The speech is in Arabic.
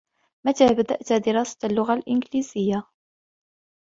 متى بدأتَ دراسة اللغة الانجليزية؟